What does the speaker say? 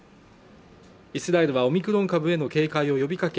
イスラエルはオミクロン株への警戒を呼びかけ